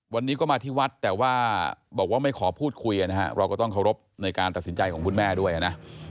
วันนี้ก็มาที่วัดแต่ว่าบอกว่าไม่ขอพูดคุยนะฮะเราก็ต้องเคารพในการตัดสินใจของคุณแม่ด้วยนะ